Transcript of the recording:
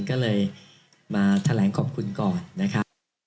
ก็เลยมาแถลงขอบคุณก่อนนะครับ